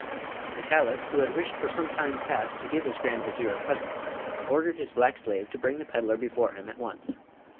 The Caliph, who had wished for some time past to give his Grand Vizier a present, ordered his black slave to bring the pedlar before him at once.